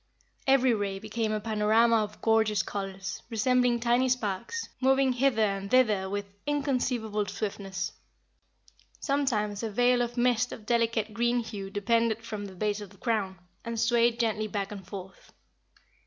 Every ray became a panorama of gorgeous colors, resembling tiny sparks, moving hither and thither with inconceivable swiftness. Sometimes a veil of mist of delicate green hue depended from the base of the crown, and swayed gently back and forth.